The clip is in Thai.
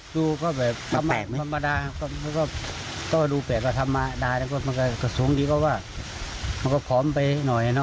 แต่ก็ทำมาได้มันก็สูงดีกว่ามันก็พร้อมไปหน่อยนะ